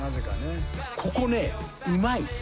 ここねうまい。